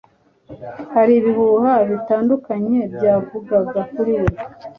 Hari ibihuha bitandukanye byavugaga kuri we